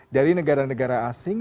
dari negara negara asing